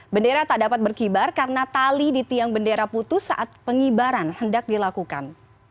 bendera tak dapat berkibar karena tali di tiang bendera putus saat pengibaran hendak dilakukan